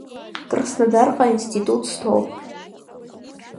Краснодарҟа аинститут сҭоуп.